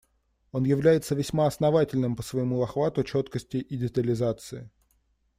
Он является весьма основательным по своему охвату, четкости и детализации.